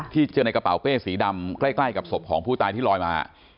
เจอในกระเป๋าเป้สีดำใกล้กับศพของผู้ตายที่ลอยมา